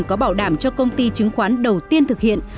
có bảo đảm cho công ty chứng khoán đầu tiên thực hiện